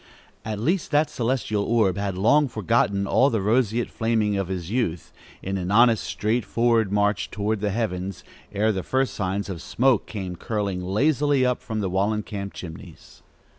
At least, that celestial orb had long forgotten all the roseate flaming of his youth, in an honest, straightforward march through the heavens, ere the first signs of smoke came curling lazily up from the Wallencamp chimneys.